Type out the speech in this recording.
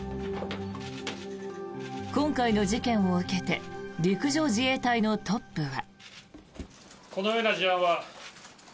今回の事件を受けて陸上自衛隊のトップは。